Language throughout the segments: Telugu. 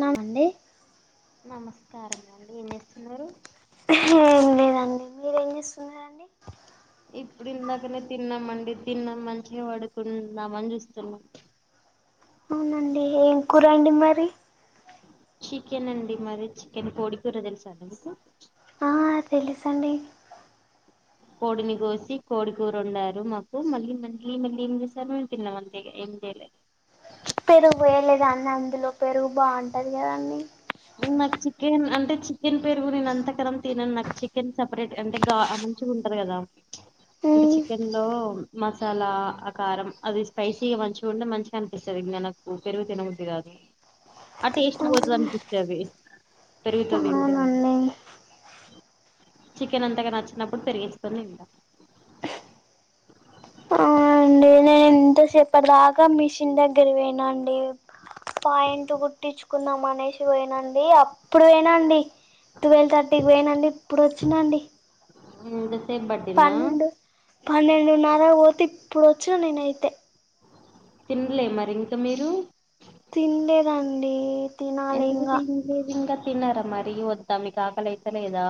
నామండడి నమస్కార అడి ఏం చేస్తున్నారు ఏం లేదండి మీరేం చేస్తున్నండి ఇప్పుడు ఇందాకనే తిన్నాంమండి తిన్నాం మంచిగా పడుకుందామ అని చూస్తున్నా అవునండి ఏం కూర అండి మరి చికెన్ అండి మరి చికెన్ కోడికూర తెలుసా మీకు ఆ తెలుసండి కోడిని కోసి కోడి కూర వొండారు మాకు మళ్ళీ మళ్ళీ మళ్ళీ ఏం చేసారు మేము తిన్నామ అంతే ఏం చేయలే పెరుగు వయలేదాన్ని అందులో పెరుగు బాగుంటది కదా అన్నీ నాకు చికెన్ అంటే చికెన్ పెరుగు నేను అంత కనం తినను నాకు చికెన్ సపరేట్ అంటే గా కదా అంటే చికెన్ లో మసాలా ఆకారం అది స్పైసీగా మంచి ఉంటే మంచిగా అనిపిస్తుంది మనకు పెరుగు తినబుద్ధి గాట్లా ఆ టేస్ట్ పోతది అవునండి చవి పెరుగుతో వింటే మ చికెన్ అంతగా నచ్చినప్పుడు పెరిగేసుకొని తింటా ఆ ఎంతసేప్ప దాకా మిషన్ దగ్గర వేనాండి పాయింట్ కుట్టించుకుందాం అనేసి పోనండి అప్పుడు వేనండి ట్వెల్వ్ థర్టీకి పొనండి ఇప్పుడు వచ్చినండి [unintelligible] పన్నెండు పన్నెండున్నర పోతే ఇప్పుడు వచ్చా నేనయితే తినలే మరి ఇంక మీరు తిన్ లేదండి ఎందుకుతే ఇంది ఇంకా తిన్నారా మరి వద్దా మీ కా ఆకలియితే లేదా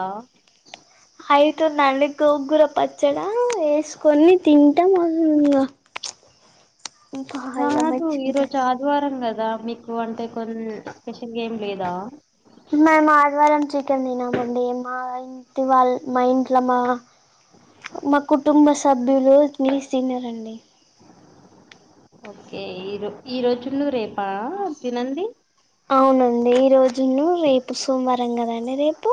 అవుతుందండి గోగుర పచ్చడా వేసుకొని తింటాం అసంగా [unintelligible] కాదు ఈ రోజు ఆదివారం కాద కదా మీకు అంటే కొ స్పెషల్ గేమ్ లేదా మేము ఆదివారం తినమండి మా ఇంటి వాళ్ళ మా ఇంట్లో మా మా కుటుంబ సభ్యులు నీస్ తినరండి అండి ఓకే ఈ ఈ రోజులు రేపా తినండి న్న రేపు సోమవారం కదండి రేపు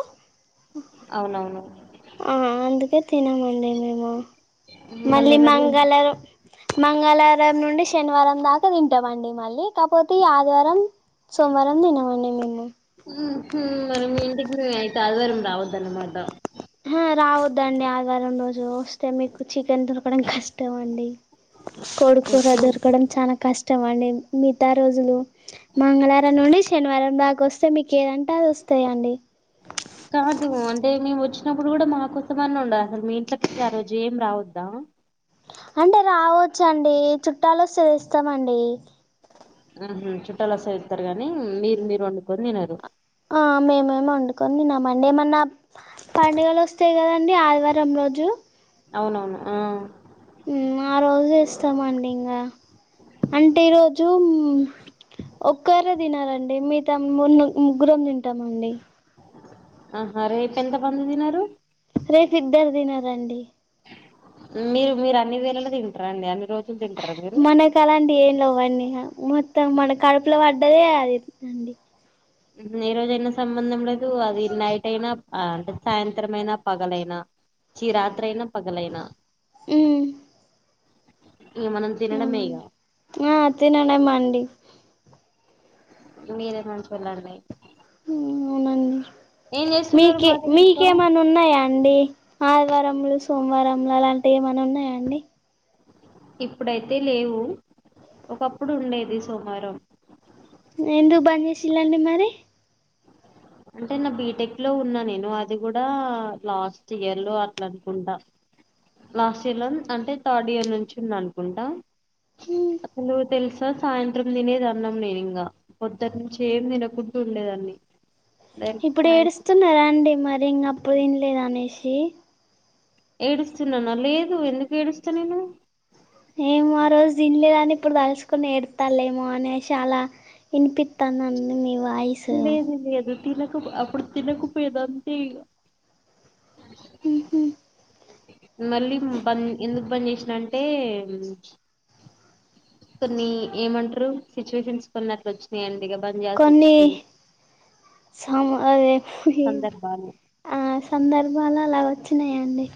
అవునవును ఆ అందుకే తినమండి మేము మళ్ళీ ఎన్నడు తిం మంగళారం మంగళవారం నుండి శనివారం దాకా తింటామండి మళ్ళీ కాకపోతే ఈ ఆదివారం సోమవారం తినమండి మేము మరి మీ ఇంటికి మేము అయితే ఆదివారం రావద్ద అన్నమాట ఆ రావద్దండి ఆదివారం రోజు వస్తే మీకు చికెన్ దొరకడం కష్టం వండి కోడి కూర దొరకడం చాలా కష్టం ఇష్టం అండి మిగతా రోజులు మంగళవారం నుండి శనివారం దాక వస్తే మీకు ఏదంటే అది వస్తు స్త అండి కాదు అంటే మేము వచ్చినప్పుడు కూడా మాకోసం అని ఉండదు అసలు మీ ఇంట ఆ రోజు ఏం రావద్దా అంటే రావచ్చు అండి చుట్టాలు వస్తేదిస్తామండి ఆహ చుట్టాల స ఇతారు గానీ మీరు మీరు వండుకొని తినరు అనుకన్ని నా మండే ఏమన్నా పండుగలు వస్తాయి కదండి ఆదివారం రోజు అవునవును ఆ ఆ రోజు ఇస్తామండి ఇంకా అంటే ఈ రోజు ఒక్కారే తినాలండి మీ తము ముగ్గురం తింటామండి ఆహ రేప్ ఎంత బందదినారు రేఫ్ ఇద్దారు దిన రండి మీరు మీరు అన్ని వేలలో తింటారండి అన్ని రోజులు తింటారా మీరు మనకు అలాంటి ఏం లేవండి మొత్తం మన కడుపులో పడ్డది అది అండి ఏ రోజయినా సంబంధం లేదు అది నైట్ అయినా అంటే సాయంత్రం అయినా పగలైనా చిరాత్ర అయినా పగలైనా ఇగ మనం తినడమే అవున ఇగ ఆ తినన్నా మండి మీరే నుంచి వెళ్ళండి అవునండి ఏం చేస్తున్నారు మీకే మరి ఇంకా మీకేమన్నా ఉన్నాయా అండి ఆదివారలు సోమవారంలు అలాంటివి ఏమనా ఉన్నాయా అండి ఇప్పుడైతే లేవు ఒకప్పుడు ఉండేది సోమారం ఎందు బంద్ చేసిండ్రీ మరి అంటే నా బీటెక్ లో ఉన్నా నేను అది కూడా లాస్ట్ ఇయర్ లో అట్లా అనుకుంటా లాస్ట్ ఇయర్ లో అంటే థర్డ్ ఇయర్ నుంచి ఉంది అనుకుంటా అసలు తెలుసా సాయంత్రం తినేది అన్నాం నేను ఇంకా పొద్దు నుంచి ఏం తినకుంటూ ఉండేదాన్ని డైరెక్ట్ ఇప్పుడు సాయంత్రం ఏడుస్తున్నారా అండి మరి ఇంకా అప్పు తినలేదు అనేసి ఏడుస్తున్నానా లేదు ఎందుకు ఏడుస్తా నేను జీంలేదని ఇప్పుడు దలుసుకొని ఏడ్సతాలేేమో అని చాలా వినిపిస్తానండి మీ వాయి లేదు లేదు తినకపో అప్పుడు తినకపోదు అంతే ఇ మళ్ళీ పని ఎందుకు పని చేసినంటే కొన్ని ఏమంటారు సిచ్యువేషన్స్ కొన్ని అట్లు వచ్చినాయండి బన్ జేయాల్ సి వచ్చింది సమ అదే సందర్భాలు ఆ సందర్భాలు అలా వచ్చినాయా అండి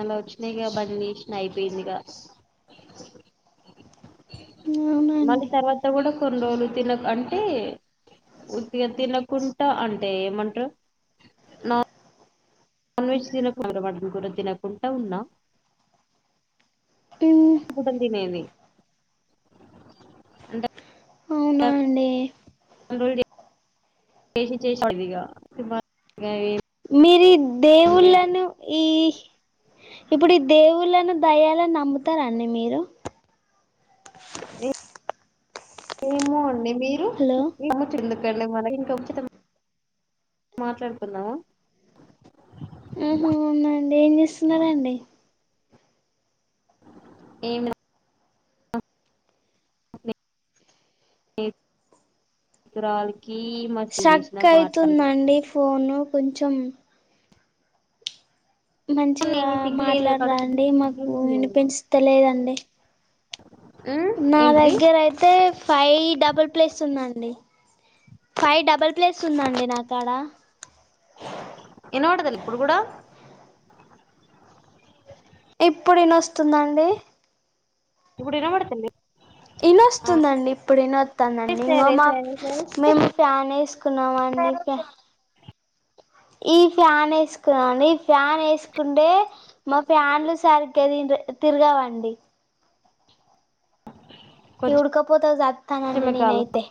అలా వచ్చినాక బంన్ చేసిన అయిపోయింది ఇగా మళ్ళీ అవునండి తర్వాత కూడా కొన్ని రోజులు తినక అంటే ఉతిగా తినకుండా అంటే ఏమంటారు నా నాన్ వెజ్ తినరవట గుర తినకుండా ఉన్నా కుడం తినది అంట అవునా అండి గా [unintelligible] మీరి దేవుళ్లను ఈ ఇప్పుడు ఈ దేవుళ్ళను దెయ్యాలను నమ్ముతారా మీరు ఏమో అండి మీరు హలో ఏమో చిల్లుకి వెళ్ళి మన ఇంకా ఉచితం మాట్లాడుకుందావా ఆ అవునాండి ఏం చేస్తున్నార అండి ఏమి ఇరాల స్ట్రక్ అయితుందండి ఫోను కొంచెం కానీ మంచిగా సిగ్గులేదు కాడ మాట్లాడరా అండి సిగ్గు మాకు సిగ్గుంది వినిపించలేదండి ఉమ్ నా ఏంటిది దగ్గర అయితే ఫైవ్ డబుల్ ప్లేస్ ఉందండి అడి ఫైవ్ డబల్ ప్లేట్స్ ఉందండి నాకు అడ ఇనుోటదల్ పుడుగుడా ఇప్పుడునా వస్తుందండి ఇప్పుడునా పడుతుండి ఇనొస్తుందండి ఇప్పుడు ఇన వస్తాందండి ఇంకా సరే మా సరే సరే మేము ఫ్యాన్ వేస్ కున్నావానయిక ఈ ఫ్యాన్ వేసుకున్నాండి. ఈ ఫ్యాన్ వేసుకుంటే, మా ఫ్యాన్లు సరిగ్గ ది తిరగవండి. ఈ ఉడ్కపోత కి సత్తానండి కొంచెమే గాలి నేనయితే.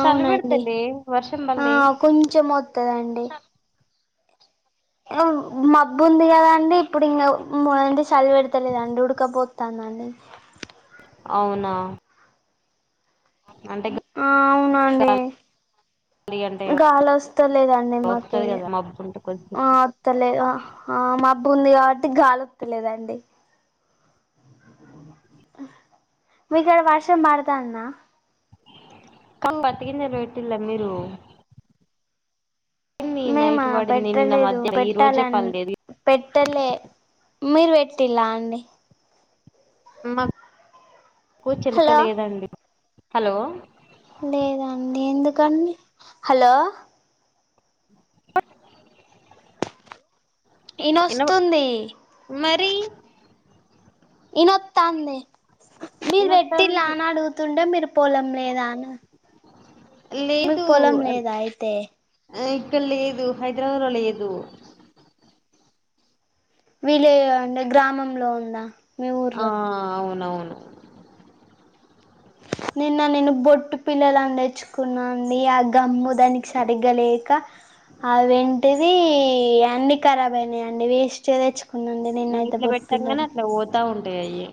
చలి పెడుతుంది వర్షం ఆ పల్లె కొంచెం వత్తదండి. య మబ్బు ఉంది కదండి, ఇప్పుడు ఇంకా మ ఏంది చలి పెడతలేదండి. ఉడకపో తాందండి. అవునా అంటే ఆ అవునండి. గాలి అంటే గాలోస్త లేదండి. వస్తది మాకెళ్ళి కదా మబ్బు ఉంటే కొంచెం ఆ అత్తలేదు ఆ మబ్బుంది కాబట్ గాలోత్త లేదండి. మీ కాడ వర్షం పడతాంద? కా పత్తి గింజలు పెట్టిల్లా మీరు? పడింది నైట్ మేమా, పడింది నిన్న పెట్టలేదు. మధ్య ఈ రోజే పెట్టాలన్ పడలేదు పెట్టలే. మీరు పెట్టిలా అండి? మా కు చెలిక హలో లేదండి. హలో లేద అండి, ఎందుకండి? హలో ఇన ఇనొస్తుంది. మరి ఈనొత్తాంది. మీరు పెట్టిలా ఇనొత్తం అని అడుగుతుండే, మీరు పొలం లేదా అని మీకు లేదు పొలం లేదా అయితే ఇక్కడ లేదు. హైదరాబాద్ లో లేదు. విలే అంటే, గ్రామంలో ఉందా! మీ ఆ. ఊర్లో అవునవును. నిన్న నేను బొట్టుపిల్లలును తెచ్చుకున్నా అండి. ఆ గమ్ము దానికి సరిగ్గా లేక, అవేంటిది అన్ని ఖరాబ్ అయినాయి అండి. వేస్ట్ వి తెచ్చ నువ్వు ఇట్ల పెట్టంగనే, అట్ల పోతా ఉంటాయి అయి.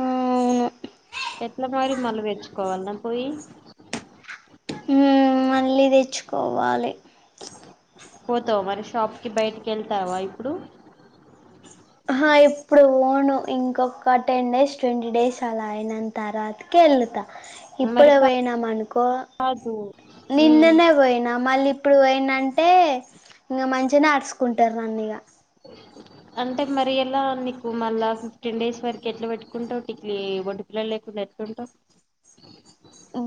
ఊ ను ఎట్ల మరి? మళ్ల తెచ్చుకోవాల్నా పోయి. మ్ మళ్ళీ తెచ్చుకోవాలి. పోతావ మరి షాప్ కి? బయటికెళ్తావా ఇప్పుడు? అహా ఇప్పుడు పోను. ఇంకొక టెన్ డేస్, ట్వంటీ డేస్ అలా అయిన తర్వాతకి వెళ్ళతా. మరి ఇప్పుడే పోయినాం అనుకో, కాదు ఉమ్. నిన్ననే పోయినా మళ్ళీ ఇప్పుడు పోయిన్నాంటే ఇంక మంచిగనే ఆడుచుకుంటారు నన్నిగ. అంటే మరి ఎలా నీకు మళ్ళా ఫిఫ్టీన్ డేస్ వరకు ఎట్లా పెట్టుకుంటావ్? టిక్లీ వడ్డు పిల్లలు లేకుండా, ఎంత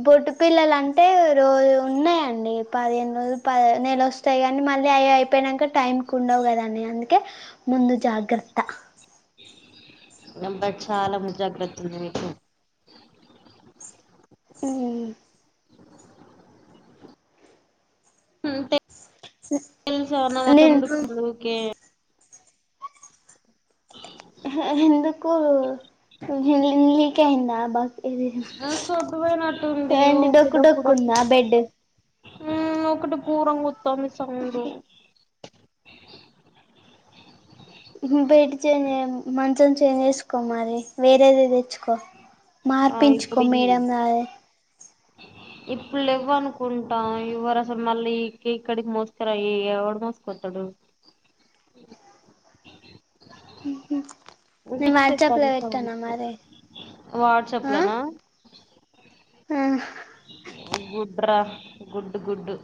బొట్టు పిల్లలంటే రోజు ఉన్నాయండి. పదిహేను రోజు, పది, నెల వస్తాయి అని మళ్ళీ అవి అయిపోయినాక టైంకి ఉండవు కదాని, అందుకే ముందు జాగ్రత్త. నె అబ్బా చాలా ముందుజాగ్రత్త ఉంది నీకు. మ్ మ్ తె లుస అ మచ్చ నేను ముడుక్కుంది ఊకే. ఎ ఎందుకు లి లీకైందా. ఆ సొట్టుపోయినట్టుంది ఏంటి ఊకే. డొక్కు డొక్కు ఉందా బెడ్ మ్ ఒకటి పూరంగొత్తాంది సౌండ్ బెడ్ చేంజ్ చేయ మంచం చేంజ్ వేసుకో మరి. వేరేది తెచ్చు కొ ఆ మార్పించుకో ఇప్పుడు ఈ మేడంరాగా ఇప్పుడు లెవ్ అనుకుంటా. ఇవ్వరసలు. మళ్ళీ ఇక్కి ఇక్కడికి మోసుకురా ఈ ఎవడు మోసుకోతాడు? హలో నే పిచ్చి వాట్సప్ లో లెత్తాంది పెట్టనా సౌండ్ మరి వాట్సాప్ ఆ లనా హా గుడ్రా గుడ్డు గుడ్డు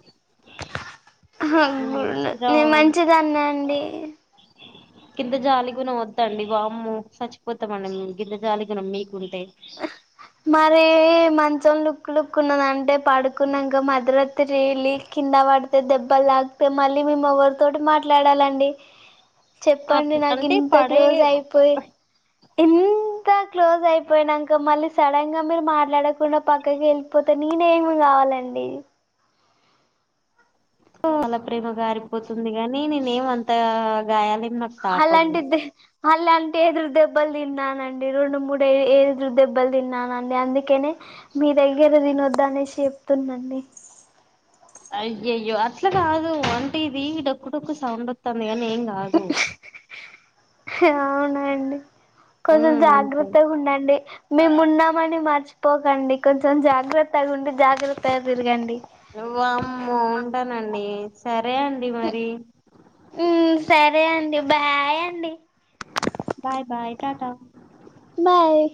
నే మంచిదాన్నే అండి కింద జాలి గుణం వద్దండి వామ్మో చచ్చిపోతామండి మేము కింద జాలిగుణం మీకుంటే మరే మంచం లుక్ లుక్ ఉన్నదంటే పడుకున్నాక మధ్రాత్ర రలికి కింద పడితే దెబ్బలు తాగితే మళ్ళీ మేము ఎవరితోటి మాట్లాడాలండి. చెప్పండి అంటే నాకింత పడే క్లోజ్ అయిపోయి. ఇంత క్లోజ్ అయిపోయినాక మళ్లీ సడన్ గా మీరు మాట్లాడకుండా పక్కకెళ్ళిపోతే నేనేమి గావాలండి? చాల ప్రేమ కారిపోతుంది గాని నేనేమంత గాయాలే అలాంటిదే అలాంటెదురు దెబ్బలు తిన్నానండి, రెండు మూడు ఎదురు దెబ్బలు తిన్నానండి, అందుకేనే మీ దగ్గర తినొద్దనేసి చెప్తున్నాండి. అయ్యయ్యో అట్లా కాదు అంటే ఇది డొక్కు డొకు సౌండ్ వస్తుంది కానీ ఏం కాదు అవునండి కొంచెం ఉమ్ అంతే జాగ్రత్తగుండండి మేమున్నామని మర్చి పోకండి కొంచెం జాగ్రత్తగుండి జాగ్రత్త వామ్మో ఉంటానండి సరే సరే అండి మరి సరే అండి బాయ్ అండి బాయ్ బాయ్ టటా బాయ్